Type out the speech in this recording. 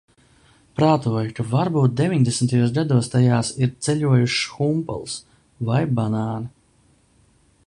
Prātoju, ka varbūt deviņdesmitajos gados tajās ir ceļojušas humpalas vai banāni.